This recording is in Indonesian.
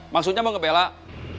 maksudnya mau ngebelak